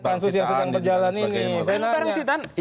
pansus yang sedang berjalan ini